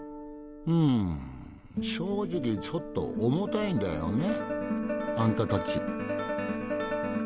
うん正直ちょっと重たいんだよねあんたたち。